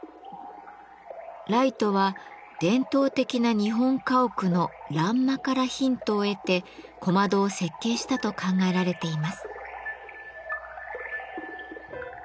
ライトは伝統的な日本家屋の「欄間」からヒントを得て小窓を設計したと考えられています。